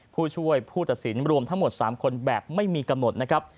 ผู้ช่วยผู้ตัดสินรวมทั้งหมด๓คนแบบไม่มีกำหนดนะครับ